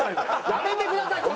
やめてください！